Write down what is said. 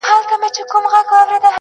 پر دې گناه خو ربه راته ثواب راکه.